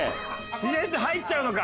自然と入っちゃうのか？